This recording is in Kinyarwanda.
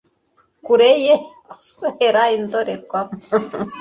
kure ye guswera indorerwamo